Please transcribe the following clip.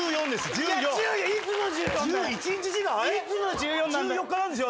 １４日なんですよ私。